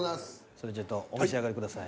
それじゃお召し上がりください。